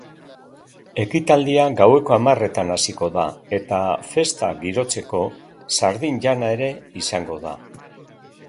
Ekitaldia gaueko hamarretan hasiko da eta festa girotzeko sardin jana ere izango da.